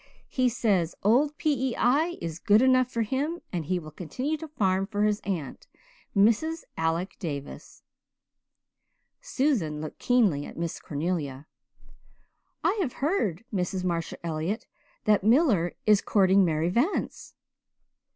He says old P.E.I. is good enough for him and he will continue to farm for his aunt, Mrs. Alec Davis.'" Susan looked keenly at Miss Cornelia. "I have heard, Mrs. Marshall Elliott, that Miller is courting Mary Vance."